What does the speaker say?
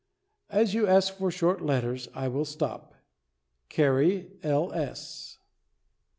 As you ask for short letters, I will stop. CARRIE L. S.